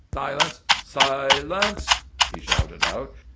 "Silence! Silence!" he shouted out.